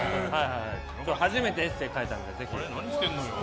初めてエッセー書いたのでぜひ。